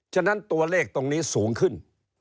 ฉะนั้นตัวเลขตรงนี้สูงขึ้น